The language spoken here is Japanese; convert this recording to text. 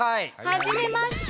はじめまして。